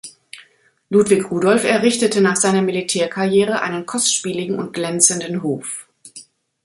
Ludwig Rudolf errichtete nach seiner Militärkarriere einen kostspieligen und glänzenden Hof.